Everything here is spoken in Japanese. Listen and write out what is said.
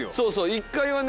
１階はね